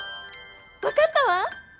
わかったわ！